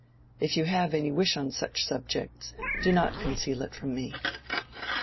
If you have any wish on such subjects, do not conceal it from me."